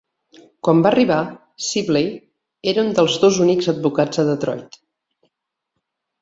Quan va arribar, Sibley era un dels dos únics advocats de Detroit.